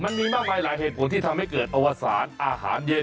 มันมีมากมายหลายเหตุผลที่ทำให้เกิดอวสารอาหารเย็น